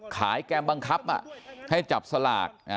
แกมบังคับให้จับสลาก